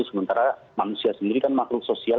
sementara manusia sendiri kan makhluk sosial